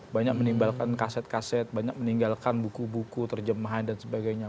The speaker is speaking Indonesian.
banyak menimbulkan kaset kaset banyak meninggalkan buku buku terjemahan dan sebagainya